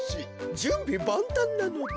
じゅんびばんたんなのだ。